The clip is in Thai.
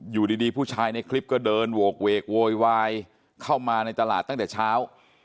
อยู่ดีผู้ชายในคลิปก็เดินโหกเวกโวยวายเข้ามาในตลาดตั้งแต่เช้า